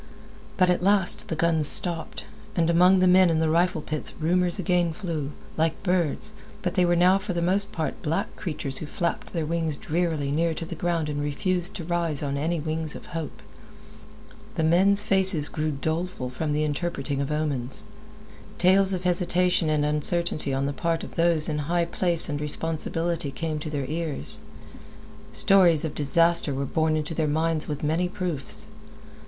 But at last the guns stopped, and among the men in the rifle pits rumors again flew, like birds, but they were now for the most part black creatures who flapped their wings drearily near to the ground and refused to rise on any wings of hope. The men's faces grew doleful from the interpreting of omens. Tales of hesitation and uncertainty on the part of those high in place and responsibility came to their ears. Stories of disaster were borne into their minds with many proofs.